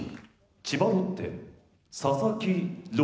千葉ロッテ佐々木朗